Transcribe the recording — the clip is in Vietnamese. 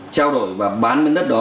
trao đổi và bán mấy đất đó